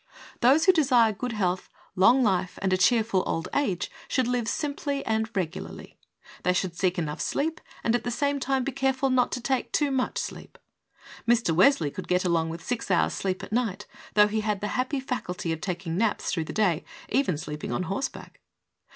Those who desire good health, long life and a cheerful old age should live simply and regularly; they should seek enough sleep and at the same time be careful not to take too much sleep. Mr. Wesley could get along with six hours' sleep at night, though he had the happy faculty of taking naps through the day, even sleeping on horseback.